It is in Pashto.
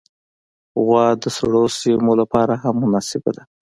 غوا د سړو سیمو لپاره هم مناسبه ده.